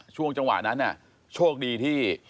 ช่วงจังหวะนั้นโชคดีที่